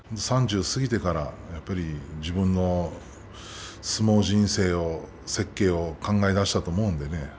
３０過ぎてから自分の相撲人生を設計を考えだしたと思いますのでね。